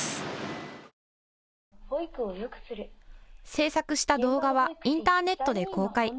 制作した動画はインターネットで公開。